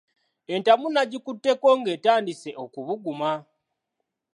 Entamu nagikutteko ng’etandise okubuguma.